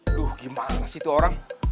aduh gimana sih tuh orang